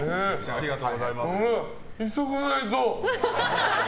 急がないと。